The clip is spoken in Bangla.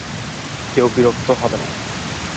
কেউ বিরক্ত হবে না।